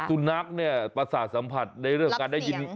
สุรณักษณ์เนี่ยภาษาสัมผัสในเรื่องการได้ยิน